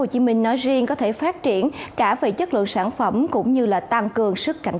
hồ chí minh nói riêng có thể phát triển cả về chất lượng sản phẩm cũng như là tăng cường sức cạnh